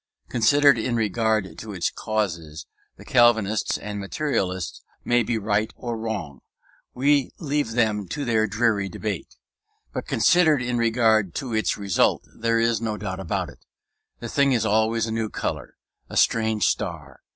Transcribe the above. Considered in regard to its causes, the Calvinists and materialists may be right or wrong; we leave them their dreary debate. But considered in regard to its results there is no doubt about it. The thing is always a new color; a strange star.